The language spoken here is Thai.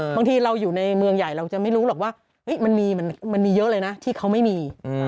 บางทีเราอยู่ในเมืองใหญ่เราจะไม่รู้หรอกว่ามันมีเยอะเลยนะที่เขาไม่มี